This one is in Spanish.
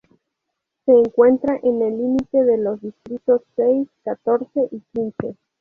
Se encuentra en el límite de los distritos seis, catorce y quince.